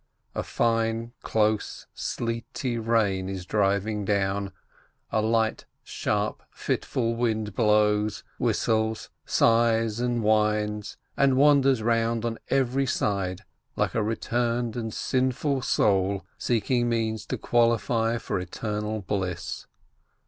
A fine, close, sleety rain is driving down, a light, sharp, fitful wind blows, whistles, sighs, and whines, and wan ders round on every side, like a returned and sinful soul seeking means to qualify for eternal bliss.